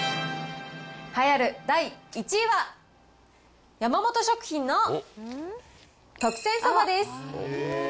栄えある第１位は、山本食品の特選そばです。